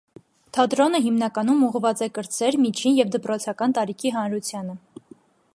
Թատրոնը հիմնականում ուղղված է կրտսեր, միջին և դպրոցական տարիքի հանրությանը։